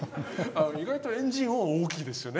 意外とエンジン音は大きいですよね。